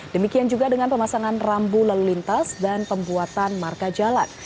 demikian juga dengan pemasangan rambu lalu lintas dan pembuatan marka jalan